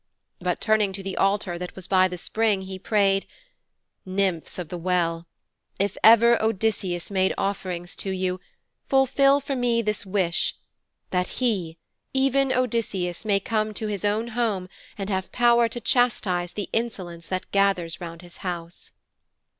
But turning to the altar that was by the spring, he prayed: 'Nymphs of the Well! If ever Odysseus made offerings to you, fulfil for me this wish that he even Odysseus may come to his own home, and have power to chastise the insolence that gathers around his house.'